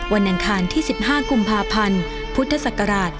วันแห่งคานที่๑๕กุมภาพันธ์พุทธศักราช๒๕๒๐